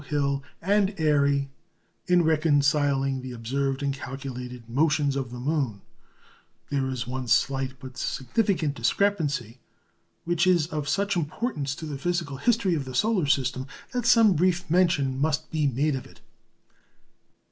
Hill, and Airy in reconciling the observed and calculated motions of the moon, there is one slight but significant discrepancy which is of such importance to the physical history of the solar system, that some brief mention must be made of it.